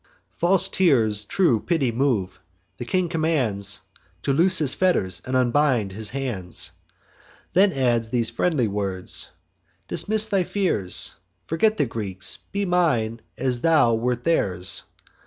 "False tears true pity move; the king commands To loose his fetters, and unbind his hands: Then adds these friendly words: 'Dismiss thy fears; Forget the Greeks; be mine as thou wert theirs.